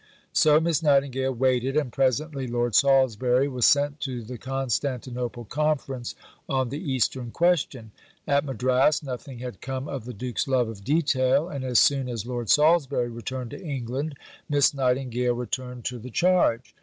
So Miss Nightingale waited, and presently Lord Salisbury was sent to the Constantinople Conference on the Eastern Question. At Madras nothing had come of the Duke's love of detail; and as soon as Lord Salisbury returned to England, Miss Nightingale returned to the charge.